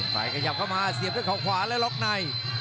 ไฟขยับเข้ามาเสียไว้ขวาและล๊อคใน